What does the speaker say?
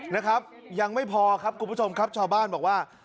นะครับยังไม่พอครับคุณผู้ชมครับชาวบ้านบอกว่า